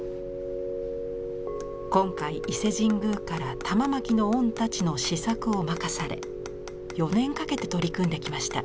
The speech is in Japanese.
今回伊勢神宮から玉纏御太刀の試作を任され４年かけて取り組んできました。